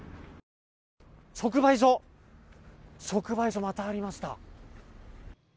直売所、またありました。